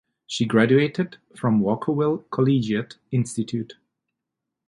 She graduated from Walkerville Collegiate Institute.